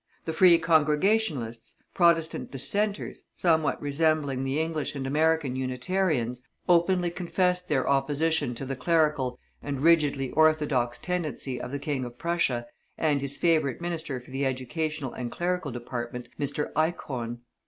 The Free Congregationalists, Protestant Dissenters, somewhat resembling the English and American Unitarians, openly professed their opposition to the clerical and rigidly orthodox tendency of the King of Prussia and his favourite Minister for the Educational and Clerical Department, Mr. Eickhorn.